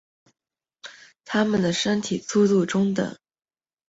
它们的身体粗度中等。